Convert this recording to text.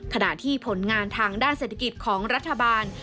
ขณะที่ผลงานทางด้านเศรษฐกิจของรัฐบาล